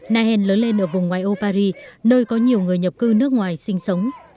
nahen lớn lên ở vùng ngoài âu paris nơi có nhiều người nhập cư nước ngoài sinh sống